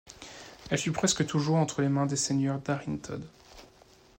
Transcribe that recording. Elle fut presque toujours entre les mains des seigneurs d'Arinthod.